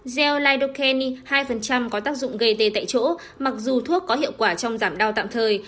geleoken hai có tác dụng gây tê tại chỗ mặc dù thuốc có hiệu quả trong giảm đau tạm thời